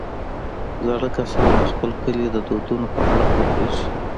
زاړه کسان د خپل کلي د دودونو په اړه پوهېږي